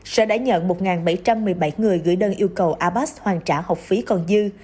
sở đã nhận một bảy trăm một mươi bảy người gửi đơn yêu cầu abas hoàn trả học phí còn dư